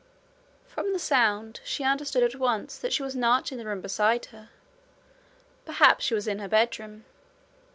From the sound, she understood at once that she was not in the room beside her. Perhaps she was in her bedroom.